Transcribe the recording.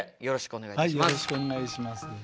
よろしくお願いします。